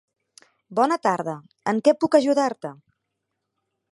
Bona tarda, en què puc ajudar-te?